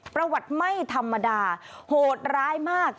ประวัติไม่ธรรมดาโหดร้ายมาก